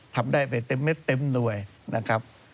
ทำได้ไปเต็มด้วยนะครับ